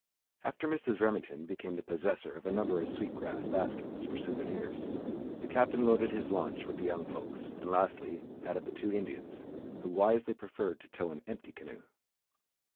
After Mrs. Remington became the possessor of a number of sweet grass baskets for souvenirs, the Captain loaded his launch with the young folks and, lastly, added the two Indians who wisely preferred to tow an empty canoe.